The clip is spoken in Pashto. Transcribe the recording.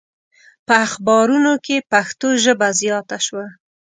په اخبارونو کې پښتو ژبه زیاته شوه.